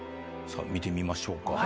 さあ見てみましょうか。